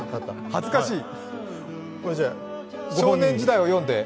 恥ずかしい。